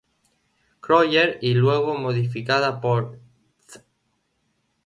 Krøyer, y luego modificada por Th.